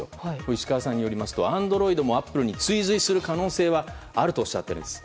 石川さんによりますとＡｎｄｒｏｉｄもアップルに追随する可能性はあるとおっしゃっています。